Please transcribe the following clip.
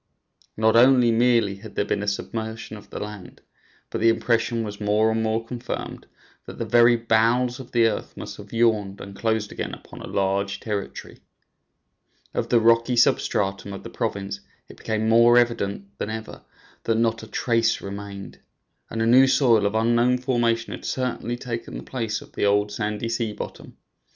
Not merely had there been a submersion of the land, but the impression was more and more confirmed that the very bowels of the earth must have yawned and closed again upon a large territory. Of the rocky substratum of the province it became more evident than ever that not a trace remained, and a new soil of unknown formation had certainly taken the place of the old sandy sea bottom.